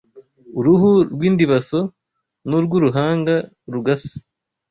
uruhu rw’indibaso n’urw’uruhanga rugasa